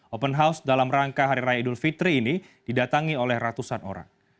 open house dalam rangka hari raya idul fitri ini didatangi oleh ratusan orang